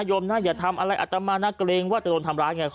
ยมนะอย่าทำอะไรอัตมานะเกรงว่าจะโดนทำร้ายไง